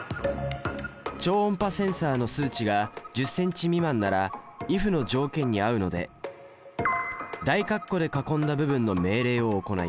超音波センサの数値が１０ｃｍ未満なら「ｉｆ」の条件に合うので大括弧で囲んだ部分の命令を行います。